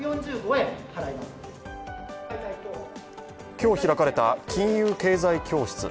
今日開かれた金融経済教室。